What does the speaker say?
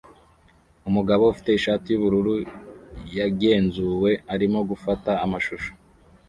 Umugabo ufite ishati yubururu yagenzuwe arimo gufata amashusho